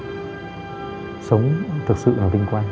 nhưng mà sống thực sự là vinh quang